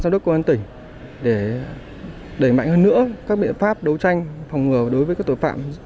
sau đốc công an tỉnh để đẩy mạnh hơn nữa các biện pháp đấu tranh phòng ngừa đối với các tội phạm